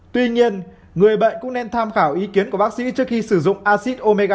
tuy nhiên người bệnh cũng nên tham khảo ý kiến của bác sĩ trước khi sử dụng acid omega